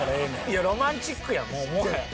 いやロマンチックやんもはや。